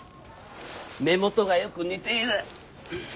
目元がよく似ている。